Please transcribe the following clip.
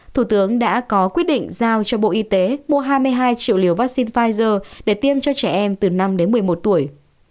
thủ tướng đã có quyết định giao cho bộ y tế mua hai mươi hai triệu liều vaccine pfizer để tiêm cho trẻ em từ năm đến một mươi một tuổi